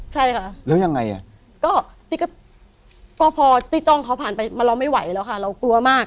ใช่ค่ะแล้วยังไงอ่ะก็นี่ก็พอที่จ้องเขาผ่านไปเราไม่ไหวแล้วค่ะเรากลัวมาก